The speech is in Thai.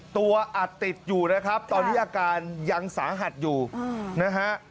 ตัวอัดติดอยู่นะครับตอนนี้อาการยังสาหัสอยู่นะฮะ